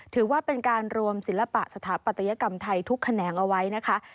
ถือว่าเป็นการรวมศิลปะสถาปัตยกรรมไทยทุกแขนงเอาไว้นะคะ